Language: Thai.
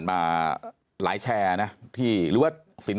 เพราะอาชญากรเขาต้องปล่อยเงิน